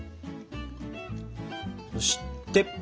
そして！